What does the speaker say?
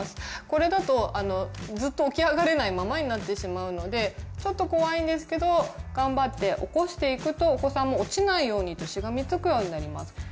これだとずっと起き上がれないままになってしまうのでちょっと怖いんですけど頑張って起こしていくとお子さんも落ちないようにしがみつくようになります。